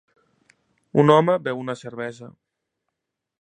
Un home beu una cervesa.